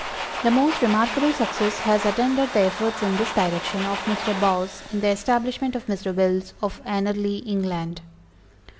The most remarkable success has attended the efforts in this direction, of MR. BAUSE, in the establishment of MR. WILLS, of Anerly, England.